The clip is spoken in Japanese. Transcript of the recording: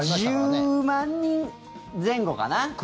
１０万人前後かな。